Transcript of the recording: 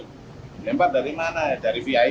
dilempar dari mana dari vi